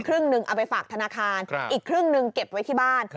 ครึ่งหนึ่งเอาไปฝากธนาคารอีกครึ่งหนึ่งเก็บไว้ที่บ้าน